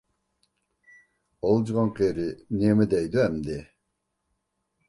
ئالجىغان قېرى نېمە دەيدۇ ئەمدى؟!